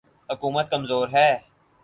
حکومت کمزور ہے۔